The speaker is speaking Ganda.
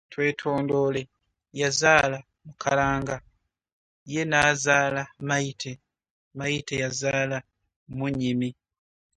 Twetondoole yazaala Mukaranga, ye n’azaala Maite, Maite yazaala Munyimi.